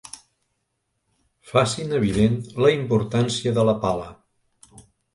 Facin evident la importància de la pala.